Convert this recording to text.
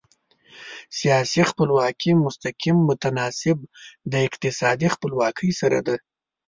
سیاسي خپلواکي مستقیم متناسب د اقتصادي خپلواکي سره ده.